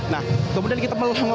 nah kemudian kita melonggok lagi ke